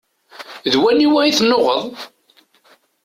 D waniwa i tennuɣeḍ?